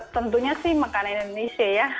tentunya sih makanan indonesia ya